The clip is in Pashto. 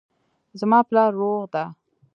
زما پلار روغ ده